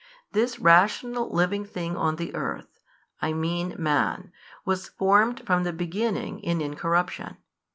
This rational living thing on the earth, I mean man, was formed from the beginning in incorruption.